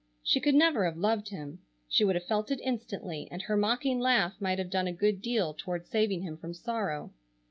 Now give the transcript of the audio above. She could never have loved him. She would have felt it instantly, and her mocking laugh might have done a good deal toward saving him from sorrow.